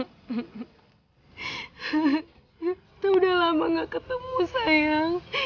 itu udah lama gak ketemu sayang